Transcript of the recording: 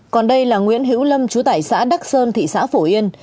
còn đây là nguyễn hữu lâm trú tại xã đắc sơn thị xã phổ yên